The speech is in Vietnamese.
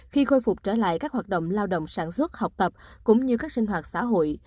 khi khôi phục trở lại các hoạt động lao động sản xuất học tập cũng như các sinh hoạt xã hội